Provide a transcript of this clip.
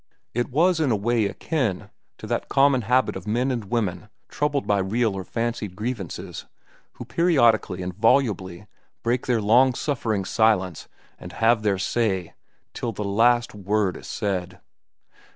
It was in a way akin to that common habit of men and women troubled by real or fancied grievances, who periodically and volubly break their long suffering silence and "have their say" till the last word is said.